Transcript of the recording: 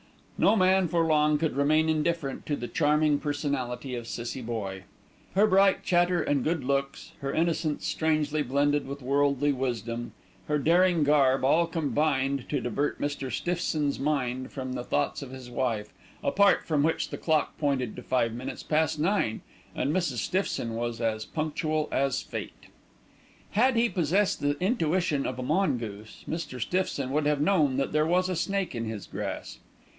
No man for long could remain indifferent to the charming personality of Cissie Boye. Her bright chatter and good looks, her innocence, strangely blended with worldly wisdom, her daring garb; all combined to divert Mr. Stiffson's mind from the thoughts of his wife, apart from which the clock pointed to five minutes past nine, and Mrs. Stiffson was as punctual as fate. Had he possessed the intuition of a mongoose, Mr. Stiffson would have known that there was a snake in his grass.